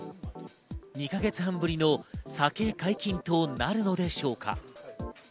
２か月半ぶりの酒解禁となるのでしょうか。